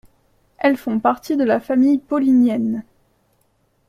Elles font partie de la famille paulinienne.